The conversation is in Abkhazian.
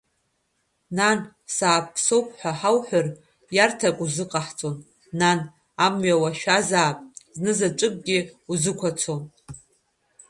Нан, сааԥсоуп ҳәа ҳауҳәар, иарҭак узыҟаҳҵон, нан, амҩа уашәазаап, знызаҵәыкгьы узықәацом!